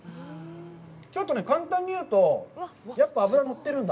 ちょっとね、簡単に言うと、脂乗ってるんだ。